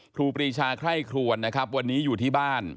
ครูปรีชาใคร่ควรวันนี้อยู่ที่บ้าน